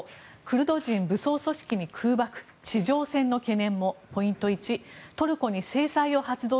クルド人武装組織に空爆地上戦の懸念も。